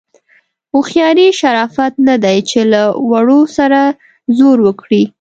هوښیاري شرافت نه دی چې له وړو سره زور وکړي.